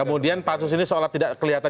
kemudian pansus ini seolah tidak kelihatan